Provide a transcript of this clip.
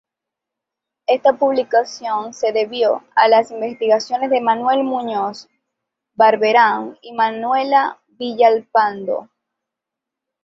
Esta publicación se debió a las investigaciones de Manuel Muñoz Barberán y Manuela Villalpando.